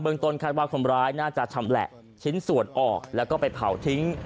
ต้นคาดว่าคนร้ายน่าจะชำแหละชิ้นส่วนออกแล้วก็ไปเผาทิ้ง